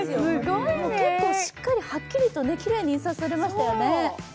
結構しっかりはっきりと印刷されましたよね。